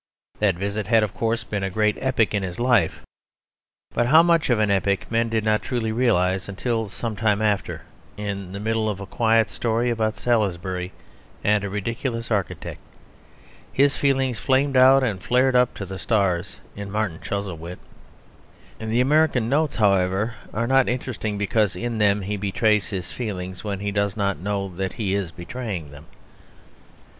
That visit had, of course, been a great epoch in his life; but how much of an epoch men did not truly realise until, some time after, in the middle of a quiet story about Salisbury and a ridiculous architect, his feelings flamed out and flared up to the stars in Martin Chuzzlewit. The American Notes are, however, interesting, because in them he betrays his feelings when he does not know that he is betraying them.